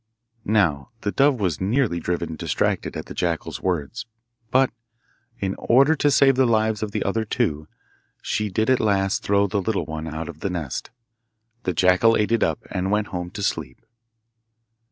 Now, the dove was nearly driven distracted at the jackal's words; but, in order to save the lives of the other two, she did at last throw the little one out of the nest. The jackal ate it up, and went home to sleep.